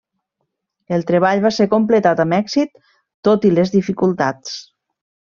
El treball va ser completat amb èxit, tot i les dificultats.